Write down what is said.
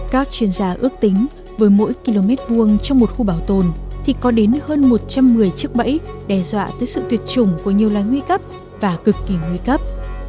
các chuyên gia ước tính với mỗi km hai trong một khu bảo tồn thì có đến hơn một trăm một mươi chiếc bẫy đe dọa tới sự tuyệt chủng của nhiều loài nguy cấp và cực kỳ nguy cấp